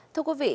thưa quý vị